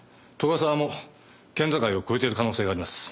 沢も県境を越えている可能性があります。